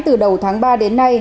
từ đầu tháng ba đến nay